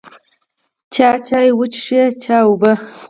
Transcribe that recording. چا چای وڅښو، چا اوبه.